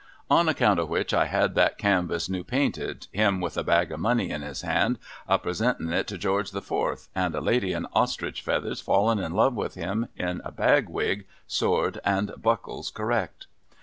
(On account of which, I had that canvass new painted, him with a bag of money in his hand, a presentin it to George the Fourth, and a lady in Ostrich Feathers fallin in love with him in a bag wig, sword, and buckles correct.)